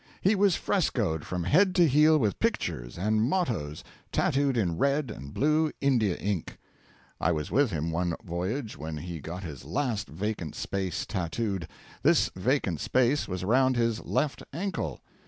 He was frescoed from head to heel with pictures and mottoes tattooed in red and blue India ink. I was with him one voyage when he got his last vacant space tattooed; this vacant space was around his left ankle.